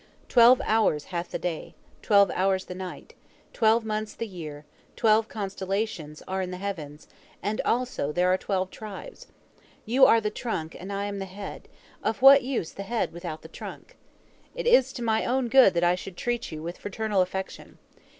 Twelve hours hath the day, twelve hours the night, twelve months the year, twelve constellations are in the heavens, and also there are twelve tribes! You are the trunk and I am the head—of what use the head without the trunk? It is to my own good that I should treat you with fraternal affection.